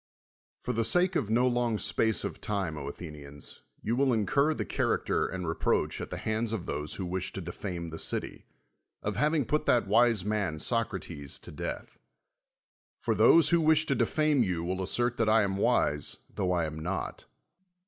For the sake of no long space of time, Athe nians, you will incur the character and reproach at the hands of those who wish to defame the city, of having put that wise man, Socrates, to death. For those who wish to defame you will assert that I am wise, tho I am not.